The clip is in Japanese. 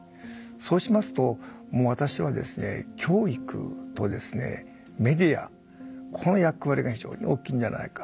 そうしますともう私はですね教育とメディアこの役割が非常に大きいんじゃないか。